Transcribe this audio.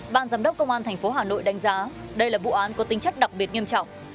ban giám đốc công an thành phố hà nội đánh giá đây là vụ án có tinh chất đặc biệt nghiêm trọng